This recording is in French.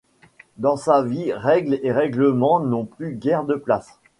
Dans sa vie règles et règlements n’ont plus guère de place.